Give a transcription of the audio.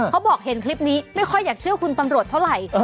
เขาบอกเห็นคลิปนี้ไม่ค่อยอยากเชื่อคุณตำรวจเท่าไหร่